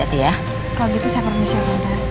jadi gak berani dia macem macem selalu diantar